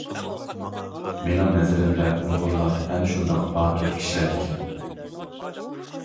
مېنىڭ نەزىرىمدە ئۇيغۇرلار ئەنە شۇنداق باتۇر كىشىلەر ئىكەن.